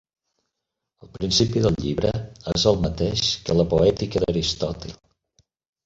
El principi del llibre és el mateix que la "Poètica" d'Aristòtil.